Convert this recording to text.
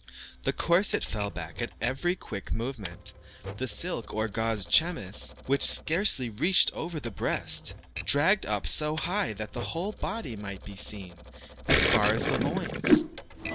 The corset fell back at every quick movement; the silk or gauze chemise, which scarcely reached over the breast, dragged up so high that the whole body might be seen as far as the loins.